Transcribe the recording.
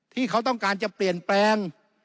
ที่เขาต้องการจะเปลี่ยนแปลง